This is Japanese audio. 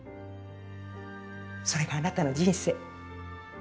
それがあなたの人生。